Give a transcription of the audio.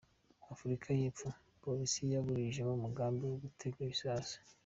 Afurika y’epfo: Polisi yaburijemo umugambi wo gutega igisasu